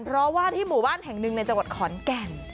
เพราะว่าที่หมู่บ้านแห่งหนึ่งในจังหวัดขอนแก่น